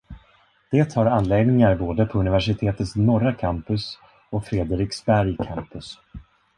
Det har anläggningar både på universitetets norra campus och Frederiksberg campus.